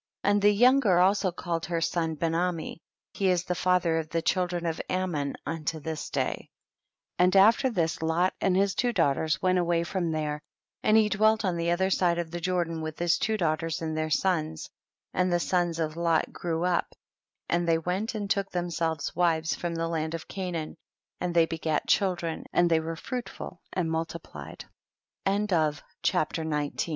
59. And the younger also called her son Benami ; he is the father of the children of Ammon unto this day. 60. And after this Lot and his two daughters went away from there, and he dwelt on the otlier side of the Jordan with his two daughters ami their sons, and the sons of Lot grew up, and they went and took them selves wives from the land of Canaan, and they begat children and they w^ere fruitful and mult